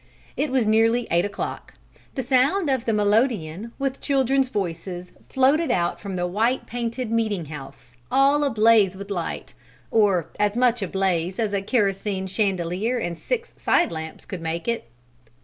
It was nearly eight o'clock. The sound of the melodeon, with children's voices, floated out from the white painted meeting house, all ablaze with light; or as much ablaze as a kerosene chandelier and six side lamps could make it.